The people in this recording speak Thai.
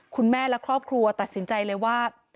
คุณแม่และครอบครัวตัดสินใจเลยว่า